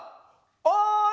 「おい！」